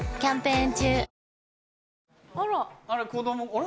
あれ？